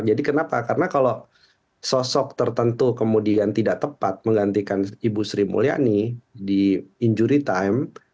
jadi kenapa karena kalau sosok tertentu kemudian tidak tepat menggantikan ibu sri mulyani di injury time